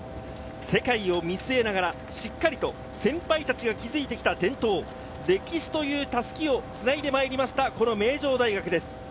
世界を見据えながら、しっかりと先輩たちが築いてきた伝統、歴史という襷をつないでまいりました、この名城大学です。